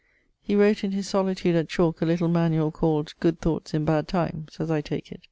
He wrote in his solitude at Chalke a little manuall called 'Good thoughts in bad times,' as I take it.